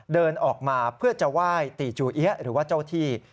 เดินออกมาเพื่อจะไหว้ตีจูเอี๊ยะหรือว่าเจ้าที่